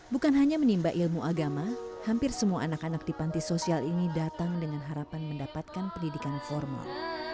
bukan hanya menimba ilmu agama hampir semua anak anak di panti sosial ini datang dengan harapan mendapatkan pendidikan formal